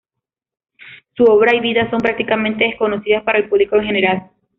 Su obra y vida son prácticamente desconocidas para el público en general.